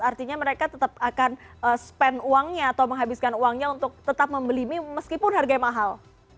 artinya mereka tetap akan spend uangnya atau menghabiskan uangnya untuk tetap membeli mie meskipun harganya mahal